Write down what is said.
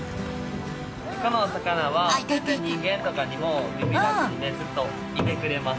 このお魚は全然人間とかにもびびらずにずっといてくれます。